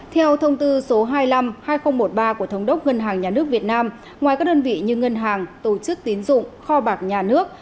theo thông tư số hai mươi năm hai nghìn một mươi ba của thống đốc ngân hàng nhà nước việt nam ngoài các đơn vị như ngân hàng tổ chức tín dụng kho bạc nhà nước